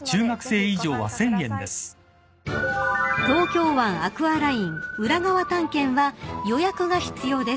［東京湾アクアライン裏側探検は予約が必要です］